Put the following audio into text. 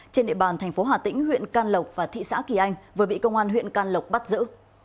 trên địa bàn thành phố hà tĩnh huyện can lộc và thị xã kỳ anh vừa bị công an huyện can lộc bắt giữ